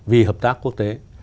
vì hợp tác quốc tế